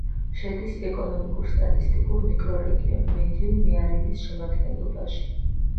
შედის ეკონომიკურ-სტატისტიკურ მიკრორეგიონ მედიუ-მეარინის შემადგენლობაში.